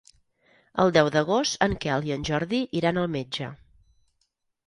El deu d'agost en Quel i en Jordi iran al metge.